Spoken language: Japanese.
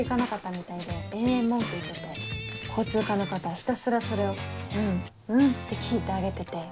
ひたすらそれを「うんうん」って聞いてあげてて。